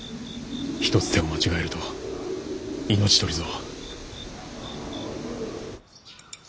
一つ手を間違えると命取りぞ。